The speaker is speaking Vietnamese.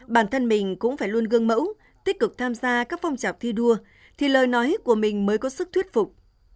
bản thân mình cũng phải luôn gương mẫu tích cực tham gia các phong trào thi đua thì lời nói của mình mới có sức thuyết phục